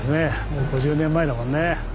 もう５０年前だもんね。